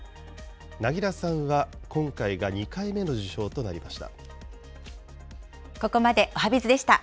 凪良さんは今回が２回目の受賞となりました。